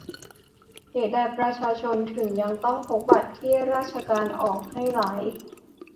เหตุใดประชาชนถึงยังต้องพกบัตรที่ราชการออกให้หลาย